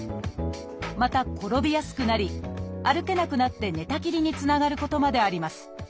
また転びやすくなり歩けなくなって寝たきりにつながることまであります。